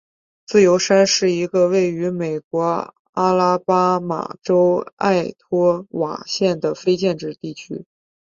自由山是一个位于美国阿拉巴马州埃托瓦县的非建制地区。